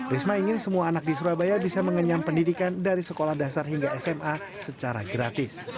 risma ingin semua anak di surabaya bisa mengenyam pendidikan dari sekolah dasar hingga sma secara gratis